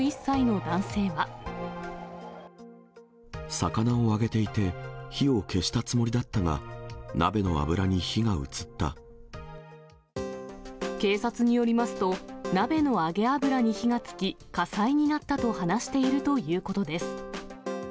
魚を揚げていて、火を消したつもりだったが、警察によりますと、鍋の揚げ油に火がつき、火災になったと話しているということです。